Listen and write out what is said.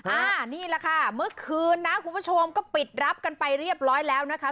อ่านี่แหละค่ะเมื่อคืนนะคุณผู้ชมก็ปิดรับกันไปเรียบร้อยแล้วนะคะ